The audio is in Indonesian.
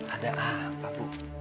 ada apa bu